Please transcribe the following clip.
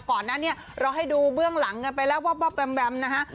ก่อนหน้านี้เราให้ดูเบื้องหลังไปแล้วว้าวว้าวแบมแบมนะฮะ